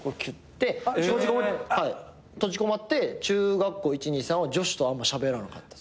閉じこもって中学校１２３は女子とあんましゃべらなかった。